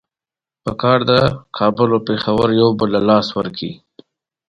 د لرغونو اثارو نومونه او ځایونه دې په تخته ولیکي.